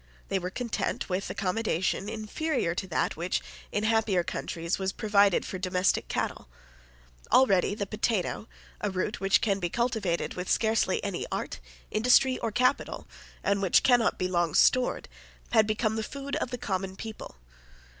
They were content with accommodation inferior to that which, in happier countries, was provided for domestic cattle. Already the potato, a root which can be cultivated with scarcely any art, industry, or capital, and which cannot be long stored, had become the food of the common people.